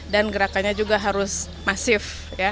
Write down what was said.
dan gerakannya juga harus masif